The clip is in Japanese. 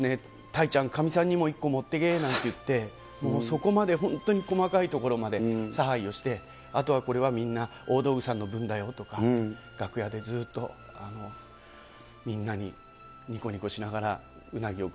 たいちゃん、かみさんにも一個持ってけなんて言って、そこまで本当に細かいところにまで差配をして、あとはこれはみんな、大道具さんの分だよとか、楽屋でずっと、みんなににこにこしながですね。